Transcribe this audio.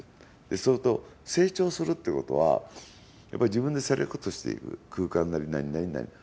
そうすると成長するということはやっぱり自分でセレクトしていく空間なりなんなり。